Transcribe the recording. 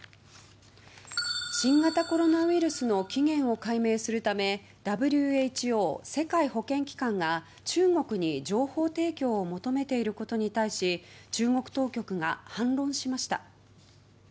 新型コロナウイルスの起源を解明するためＷＨＯ・世界保健機関が中国に情報提供を求めていることに対し中国当局が反論しました。